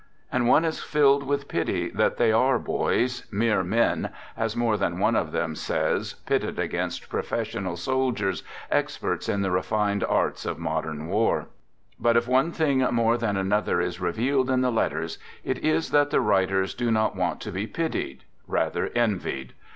And one is filled with pity that they are boys, " mere men " as more than one of them says, pitted against professional sbldiers, experts in the refined arts of modern war. 3ut if ope thing more than another is revealed in the letters, it is that the writers do nQt want to be pitied ; rather envied.